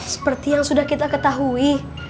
seperti yang sudah kita ketahui